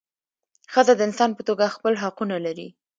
ښځه د انسان په توګه خپل حقونه لري.